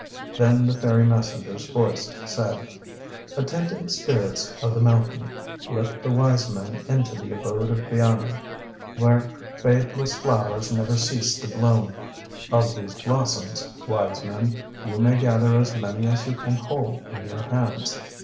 Then the fairy messenger's voice said, "Attendant spirits of the mountain, lift the wise men into the abode of Byamee, where fadeless flowers never cease to bloom. Of these blossoms, wise men, you may gather as many as you can hold in your hands.